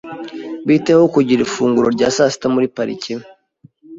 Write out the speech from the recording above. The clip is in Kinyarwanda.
Bite ho kugira ifunguro rya saa sita muri parike?